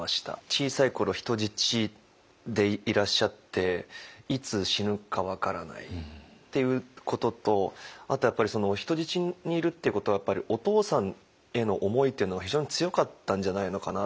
小さい頃人質でいらっしゃっていつ死ぬか分からないっていうこととあとやっぱり人質にいるっていうことはお父さんへの思いっていうのが非常に強かったんじゃないのかなと思っていて。